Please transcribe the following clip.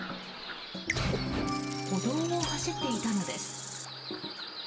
歩道を走っていたのです。